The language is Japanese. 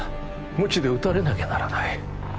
鞭で打たれなきゃならない